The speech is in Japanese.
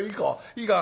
いいか？